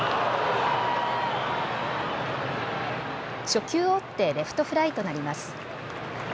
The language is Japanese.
初球を打ってレフトフライとなります。